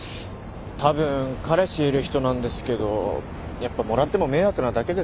たぶん彼氏いる人なんですけどやっぱもらっても迷惑なだけですよね？